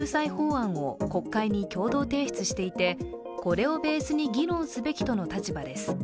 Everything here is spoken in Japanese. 立憲と維新は既に被害者救済法案を国会に共同提出していてこれをベースに議論すべきとの立場です。